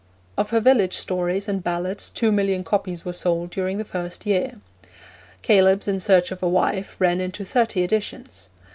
Of her village stories and ballads two million copies were sold during the first year. Caelebs in Search of a Wife ran into thirty editions.